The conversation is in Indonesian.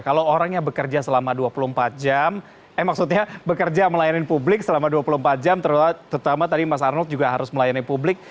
kalau orang yang bekerja selama dua puluh empat jam eh maksudnya bekerja melayani publik selama dua puluh empat jam terutama tadi mas arnold juga harus melayani publik